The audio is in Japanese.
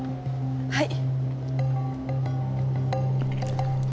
はい。